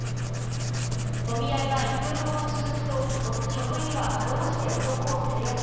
もみ合いが１分ほど続くと、職員は辛うじて男を制圧。